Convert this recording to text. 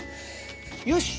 よし。